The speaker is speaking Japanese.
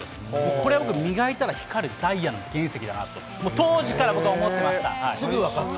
これは僕、磨いたら光るダイヤの原石だなと、当時から僕は思ってすぐ分かった？